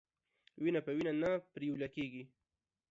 وينه په وينه نه پريوله کېږي.